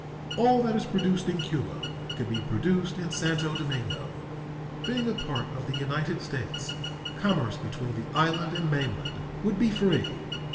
All that is produced in Cuba could be produced in Santo Domingo. Being a part of the United States, commerce between the island and mainland would be free.